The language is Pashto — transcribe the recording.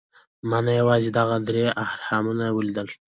ما نه یوازې دغه درې اهرامونه ولیدل.